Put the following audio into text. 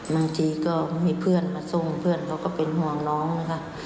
บางทีก็มีเพื่อนมาส่งเพื่อนเขาก็เป็นห่วงน้องนะคะ